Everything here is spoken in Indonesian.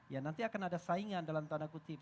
ya nanti akan ada saingan dalam tanda kutip